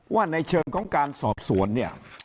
ว่าในเชิงของการสอบสวนเนี่ย